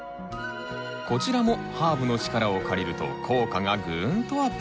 こちらもハーブの力を借りると効果がグーンとアップします！